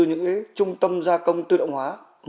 những trung tâm gia công tư động hóa một trăm linh